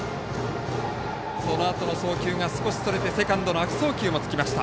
そのあとの送球が少しそれてセカンドの悪送球もつきました。